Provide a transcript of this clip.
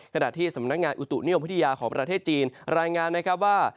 ขณะที่สำนักงานอุตุเนี่ยวพฤธิยาของประเทศจีนรายงานว่า